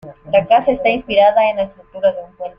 La casa está inspirada en la estructura de un puente.